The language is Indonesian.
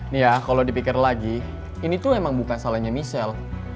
nih ya kalau dipikir lagi ini tuh emang bukan salahnya michelle